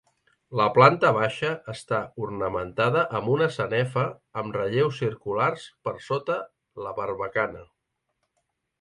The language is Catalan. La planta baixa està ornamentada amb una sanefa amb relleus circulars per sota la barbacana.